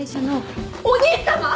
お兄さま！？